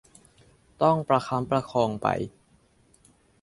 ต้องประคับประคองไป